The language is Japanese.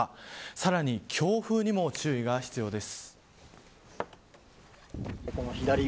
さらに、強風にも注意が必要です。